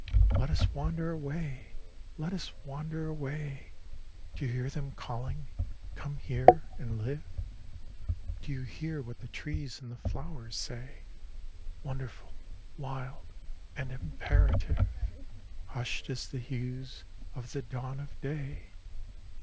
"Let us wander away! let us wander away! Do you hear them calling, 'Come here and live'? Do you hear what the trees and the flowers say, Wonderful, wild, and imperative, Hushed as the hues of the dawn of day?